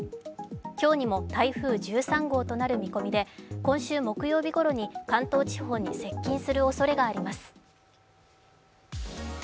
今日にも台風１３号となる見込みで、今週木曜日ごろに関東地方に接近するおそれがあります。